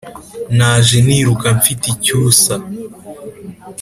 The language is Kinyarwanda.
Naje niruka mfite icyusa